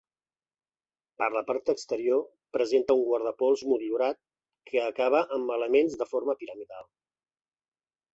Per la part exterior presenta un guardapols motllurat que acaba amb elements de forma piramidal.